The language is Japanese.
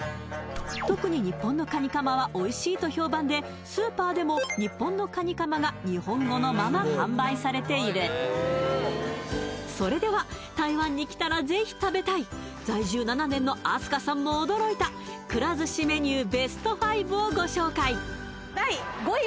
特に日本のカニカマはおいしいと評判でスーパーでも日本のカニカマが日本語のまま販売されているそれでは台湾に来たらぜひ食べたい在住７年の明日香さんも驚いたくら寿司メニューベスト５をご紹介！